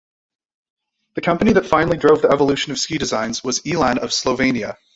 The company that finally drove the evolution of ski design was Elan of Slovenia.